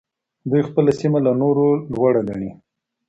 دوی خپله سيمه له نورو لوړه ګڼي.